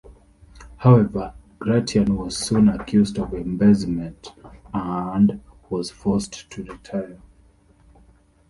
However, Gratian was soon accused of embezzlement and was forced to retire.